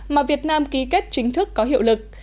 mà việt nam ký kết chính thức có hiệu lực